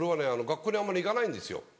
学校にあんまり行かないんですよ。